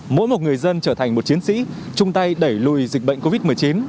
mỗi một người dân trở thành một chiến sĩ chung tay đẩy lùi dịch bệnh covid một mươi chín